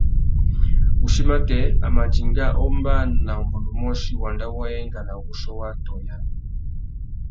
Wuchí matê, a mà dinga a ombāna ungôndômôchï wanda wa enga nà wuchiô wa atõh yâā.